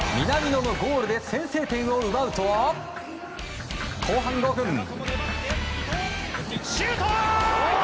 南野のゴールで先制点を奪うと、後半５分。